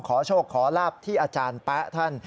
ขอโชคขอลาบที่อาจารย์แป๊ะท่าน